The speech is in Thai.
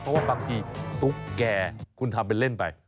คุณทำให้เค้าเล่นไป